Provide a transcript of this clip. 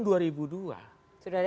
sudah ada investigasi